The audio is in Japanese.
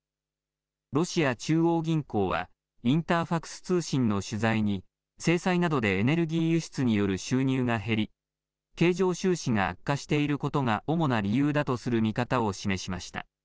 ロシア中央銀行はインターファクス通信の取材に制裁などでエネルギー輸出による収入が減り経常収支が悪化していることが主な理由だとする見方を示しました。